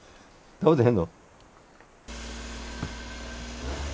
食べてへんぞ。